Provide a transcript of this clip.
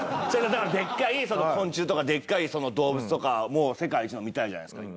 だからでっかい昆虫とかでっかい動物とかもう世界一のを見たいじゃないですか。